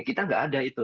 kita nggak ada itu